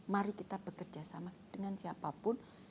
mari kita bekerja sama dengan siapapun